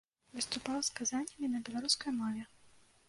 Выступаў з казаннямі на беларускай мове.